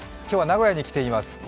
今日は名古屋に来ています。